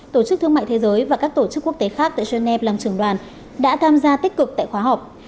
tổ chức thương mại thế giới và các tổ chức quốc tế khác tại geneva làm trường đoàn đã tham gia tích cực tại khóa học